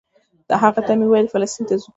هغه ته مې ویل فلسطین ته ځو.